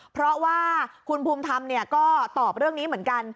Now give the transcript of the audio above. เพราะว่าคุณภูมิธรรมก็ตอบเรื่องนี้เหมือนกัน